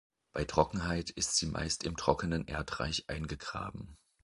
Bei Trockenheit ist sie meist im trockenen Erdreich eingegraben.